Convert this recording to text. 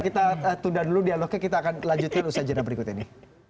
kita tunda dulu dialognya kita akan lanjutkan usaha jenah berikut ini